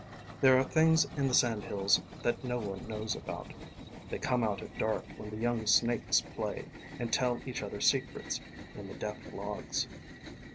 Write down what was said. There are things in the sandhills that no one knows aboutŌĆ" they come out at dark when the young snakes play and tell each other secrets in the deaf logs.